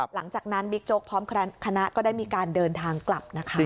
หลังจากนั้นบิ๊กโจ๊กพร้อมคณะก็ได้มีการเดินทางกลับนะคะ